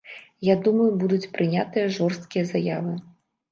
Я думаю, будуць прынятыя жорсткія заявы.